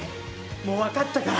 もう分かったから！